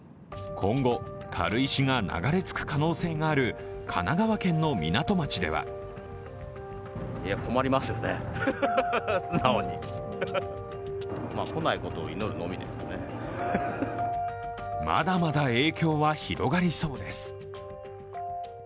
今後、軽石が流れ着く可能性がある神奈川県の港町ではまだまだ影響は広がりそうです。